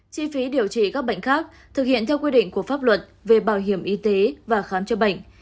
chi phí điều trị các bệnh khác thực hiện theo quy định của pháp luật về bảo hiểm y tế và khám chữa bệnh